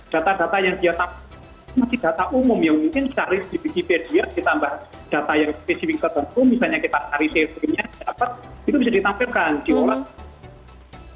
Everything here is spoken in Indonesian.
data data yang dia tambah masih data umum yang mungkin cari di wikipedia ditambah data yang spesifik tertentu misalnya kita cari cv nya dapat itu bisa ditampilkan di olahraga